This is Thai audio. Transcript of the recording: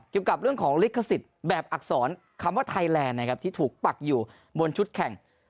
เกี่ยวกับเรื่องของลิขสิทธิ์แบบอักษรคำว่าไทยแลนด์นะครับที่ถูกปักอยู่บนชุดแข่ง